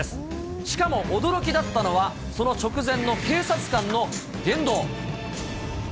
しかも驚きだったのは、その直前の警察官の言動。